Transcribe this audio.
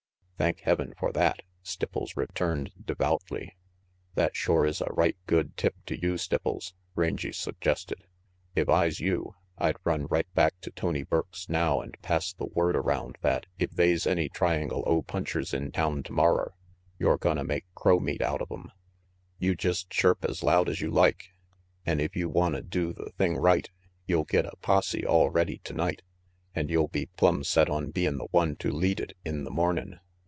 "Thank Heaven for that," Stipples returned devoutly. "That shore is a right good tip to you, Stipples," Rangy suggested. "If I's you, I'd run right back to Tony Burke's now an' pass the word around that if they's any Triangle O punchers in town tomorrer yer gonna make crow meat out of 'em. You jest chirp as loud as you like. An' if you wanta do the thing right, you'll get a posse all ready tonight, an' you'll be plumb set on bein' the one to lead it in the mornin'.'